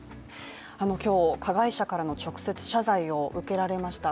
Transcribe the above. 今日、加害者からの直接謝罪を受けられました。